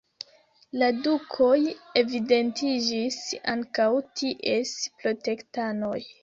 La dukoj evidentiĝis ankaŭ ties protektanoj.